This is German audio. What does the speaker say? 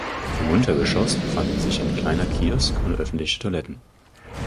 Im Untergeschoss befanden sich ein kleiner Kiosk und öffentliche Toiletten.